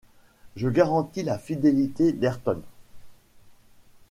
Je garantis la fidélité d’Ayrton